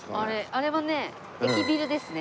あれはね駅ビルですね。